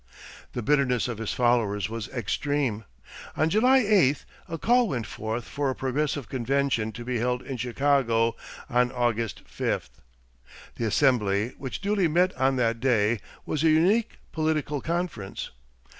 The bitterness of his followers was extreme. On July 8, a call went forth for a "Progressive" convention to be held in Chicago on August 5. The assembly which duly met on that day was a unique political conference.